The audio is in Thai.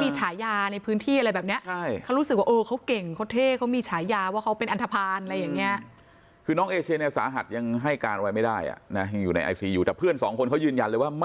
มันไปไหนมาไหนมันอยู่อีกมากเลย